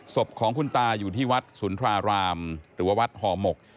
ศพของคุณตาอยู่ที่วัดสุนทรารามหรือว่าวัดห่อหมก